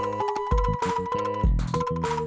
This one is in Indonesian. masih sangkapan di van